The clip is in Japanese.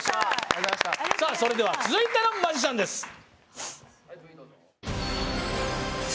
それでは続いてのマジシャンです。